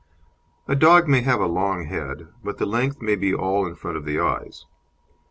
A dog may have a long head, but the length may be all in front of the eyes.